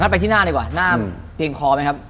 ไปที่หน้าดีกว่าหน้าเพียงพอไหมครับ